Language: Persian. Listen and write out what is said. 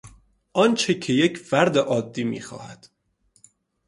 آنچه که یک فرد عادی میخواهد